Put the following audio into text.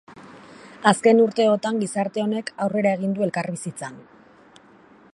Azken urteotan gizarte honek aurrera egin du elkarbizitzan.